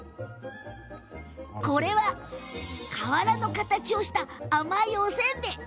これは、瓦の形をした甘いおせんべい。